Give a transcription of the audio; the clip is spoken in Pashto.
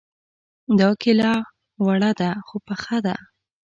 دا کيله وړه ده خو پخه ده